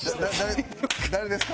誰誰ですか？